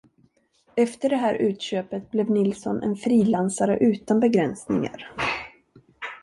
Efter det här utköpet blev Nilsson en frilansare utan begränsningar.